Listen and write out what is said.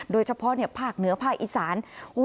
โดยเฉพาะภาคเหนือภาคอีสาน